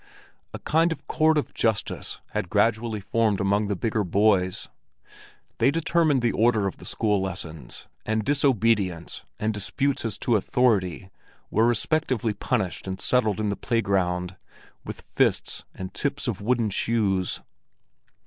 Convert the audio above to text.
A kind of court of justice had gradually formed among the bigger boys; they determined the order of the school lessons, and disobedience and disputes as to authority were respectively punished and settled in the playground—with fists and tips of wooden shoes.